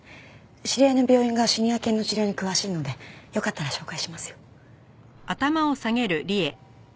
知り合いの病院がシニア犬の治療に詳しいのでよかったら紹介しますよ。